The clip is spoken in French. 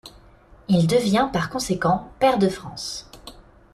Il devient par conséquent pair de France.